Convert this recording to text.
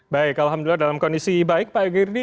baik alhamdulillah dalam kondisi baik pak girdi